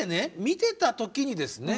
見てた時にですね